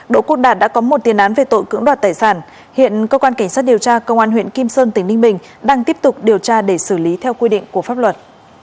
đỗ quốc đạt đã có một tiền án về tội cưỡng đoạt tài sản hiện công an huyện kim sơn tỉnh ninh bình đang tiếp tục điều tra để xử lý theo quy định của pháp luật